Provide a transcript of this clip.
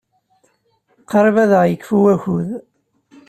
Qrib ad aɣ-yekfu wakud.